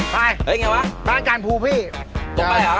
พายบ้านการพูพี่ตรงไปหรือ